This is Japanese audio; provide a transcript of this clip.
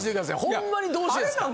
ホンマにどうしてるんですか？